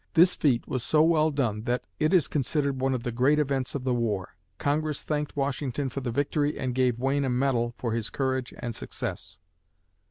This feat was so well done that it is considered one of the great events of the war. Congress thanked Washington for the victory and gave Wayne a medal for his courage and success.